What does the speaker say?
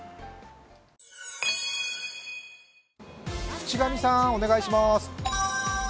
渕上さん、お願いします。